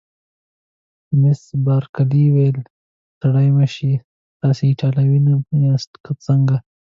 مس بارکلي وویل: ستړي مه شئ، تاسي ایټالوي نه یاست که څنګه؟